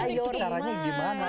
itu caranya gimana